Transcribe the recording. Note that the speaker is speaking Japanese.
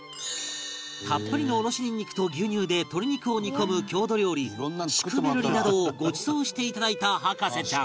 たっぷりのおろしニンニクと牛乳で鶏肉を煮込む郷土料理シュクメルリなどをごちそうしていただいた博士ちゃん